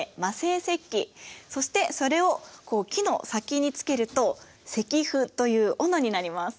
そしてそれをこう木の先につけると石斧というおのになります。